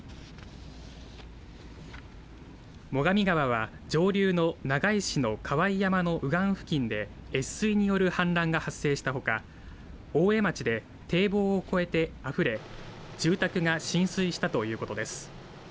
最上川は上流の長井市の河井山の右岸付近で越水による氾濫が発生したほか、大江町で堤防を越えてあふれ住宅が浸水したということです。